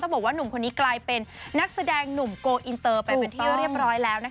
บอกว่าหนุ่มคนนี้กลายเป็นนักแสดงหนุ่มโกอินเตอร์ไปเป็นที่เรียบร้อยแล้วนะคะ